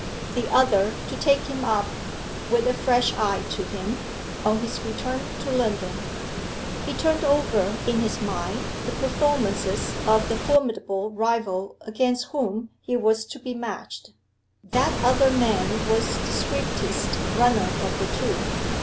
The other to take him up, with a fresh eye to him, on his return to London. He turned over in his mind the performances of the formidable rival against whom he was to be matched. That other man was the swiftest runner of the two.